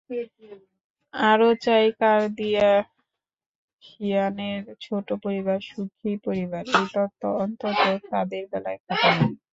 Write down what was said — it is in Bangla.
আরও চাই কারদাশিয়ানেরছোট পরিবার সুখী পরিবার—এই তত্ত্ব অন্তত তাঁদের বেলায় খাটে না।